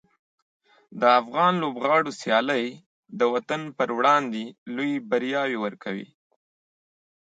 د افغان لوبغاړو سیالۍ د وطن پر وړاندې لویې بریاوې ورکوي.